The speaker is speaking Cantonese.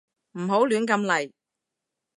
唔好亂咁嚟